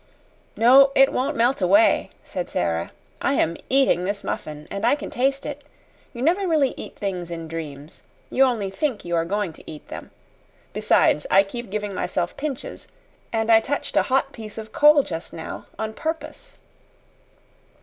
"No, it won't melt away," said Sara. "I am EATING this muffin, and I can taste it. You never really eat things in dreams. You only think you are going to eat them. Besides, I keep giving myself pinches; and I touched a hot piece of coal just now, on purpose."